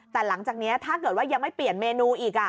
แต่หลังจากนี้ถ้าเกิดว่ายังไม่เปลี่ยนเมนูอีก